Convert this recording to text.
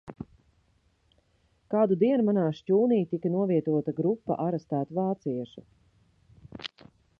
Kādu dienu manā šķūnī tika novietota grupa arestētu vāciešu.